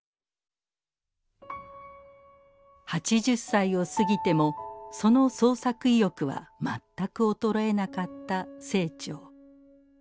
８０歳を過ぎてもその創作意欲は全く衰えなかった清張。